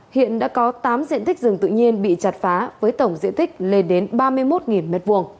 hiện đã có tám diện tích rừng tự nhiên bị chặt phá với tổng diện tích lên đến ba mươi một m hai